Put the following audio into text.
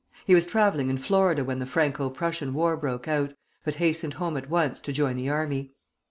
He was travelling in Florida when the Franco Prussian war broke out, but hastened home at once to join the army.